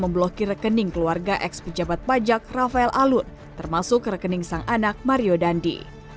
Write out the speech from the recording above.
memblokir rekening keluarga ex pejabat pajak rafael alun termasuk rekening sang anak mario dandi